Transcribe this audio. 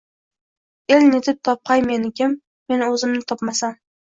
El netib topg‘ay menikim, men o‘zimni topmasamng